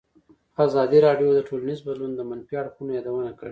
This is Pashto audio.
ازادي راډیو د ټولنیز بدلون د منفي اړخونو یادونه کړې.